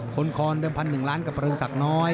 คนคอนเดิมพันหนึ่งล้านกับเริงศักดิ์น้อย